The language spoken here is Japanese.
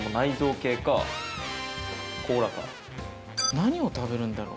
何を食べるんだろう？